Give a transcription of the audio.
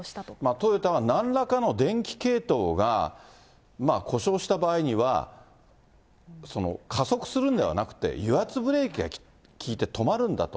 トヨタはなんらかの電気系統が故障した場合には、加速するんではなくて、油圧ブレーキが利いて止まるんだと。